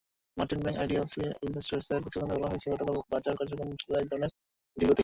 Merchant bank IDLC ইনভেস্টমেন্টসের প্রতিবেদনে বলা হয়েছে, গতকালের বাজার কার্যক্রমে ছিল একধরনের ধীরগতি।